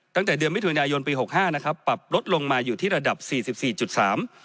ตั้งแต่เดือนมิถุนายนปีหกห้านะครับปรับลดลงมาอยู่ที่ระดับสี่สิบสี่จุดสาม